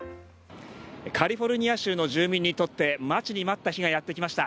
カリフォルニア州の住民にとって待ちに待った日がやってきました。